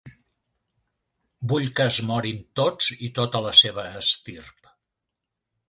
Vull que es morin tots i tota la seva estirp.